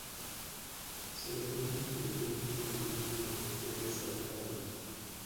Se graduó en Arquitectura y Urbanismo en la Universidad de São Paulo.